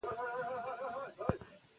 که ګټه وي نو تاوان نه کیږي.